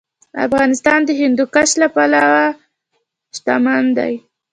افغانستان د هندوکش له پلوه متنوع دی.